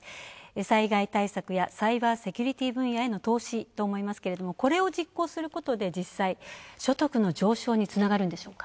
災害対策やサイバーセキュリティーへの投資と思いますけども、これを実行することで実際、所得の上昇につながるんでしょうか？